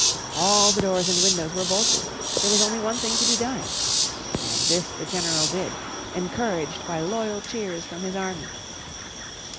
All the doors and windows were bolted. There was only one thing to be done. And this the general did, encouraged by loyal cheers from his army.